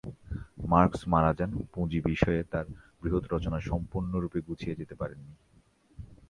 Marks মারা যান, পুঁজি বিষয়ে তার বৃহৎ রচনা সম্পূর্ণরূপে গুছিয়ে যেতে পারেননি।